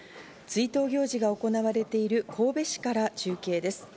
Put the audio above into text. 追悼行事が行われている神戸市から中継です。